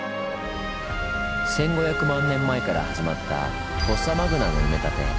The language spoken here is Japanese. １，５００万年前から始まったフォッサマグナの埋め立て。